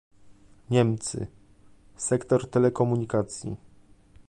Niemcy - sektor telekomunikacji